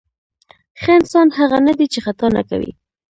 ښه انسان هغه نه دی چې خطا نه کوي.